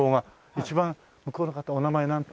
一番向こうの方お名前なんて？